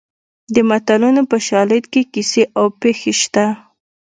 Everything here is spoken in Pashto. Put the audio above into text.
د متلونو په شالید کې کیسې او پېښې شته